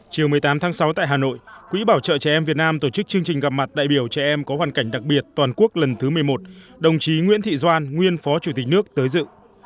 chiều một mươi tám tháng sáu tại hà nội quỹ bảo trợ trẻ em việt nam tổ chức chương trình gặp mặt đại biểu trẻ em có hoàn cảnh đặc biệt toàn quốc lần thứ một mươi một đồng chí nguyễn thị doan nguyên phó chủ tịch nước tới dự